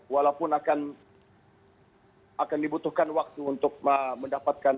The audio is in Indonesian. walaupun akan dibutuhkan waktu untuk mendapatkan